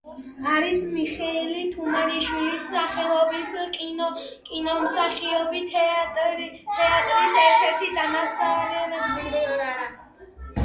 არის მიხეილ თუმანიშვილის სახელობის კინომსახიობთა თეატრის ერთ-ერთი დამაარსებელი.